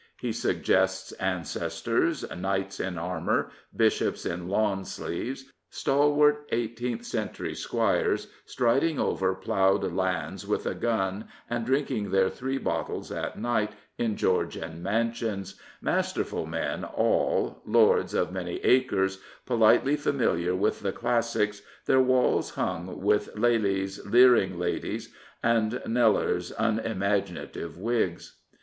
He suggests ancestors, knights in armour, bishops in lawn sleeves, stalwart Eighteenth Century squires striding over plougHeSTlands with a gun and drinking their three bottles at night in Georgian mansions, masterful men all, lords of many acres, politely familiar with the classics, their walls hung 311 Prophets, Priests, and Kings with Lely's leering ladies and Kneller's unimaginative wigs.